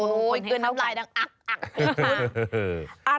โอ้ยอีกคำไลน์ตั้งอั๊ะ